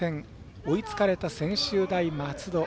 追いつかれた専修大松戸。